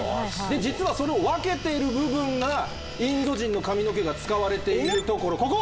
実はその分けている部分がインド人の髪の毛が使われているところここ！